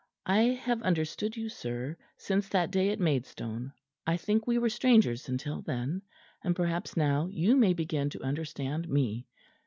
I have understood you, sir, since that day at Maidstone I think we were strangers until then; and perhaps now you may begin to understand me.